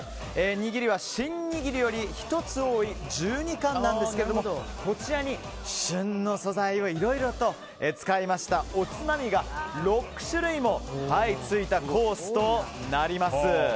握りはシン握りより１つ多い１２貫ですけどもこちらに旬の素材をいろいろと使いました、おつまみが６種類も付いたコースとなります。